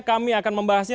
kami akan membahasnya